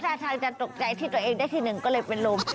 ท่าทางจะตกใจที่ตัวเองได้ที่หนึ่งก็เลยเป็นลม